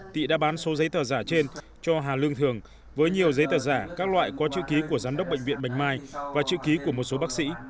tị đã bán số giấy tờ giả trên cho hà lương thường với nhiều giấy tờ giả các loại có chữ ký của giám đốc bệnh viện bạch mai và chữ ký của một số bác sĩ